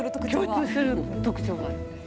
共通する特徴があるんです。